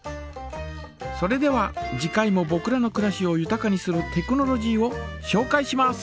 それでは次回もぼくらのくらしをゆたかにするテクノロジーをしょうかいします。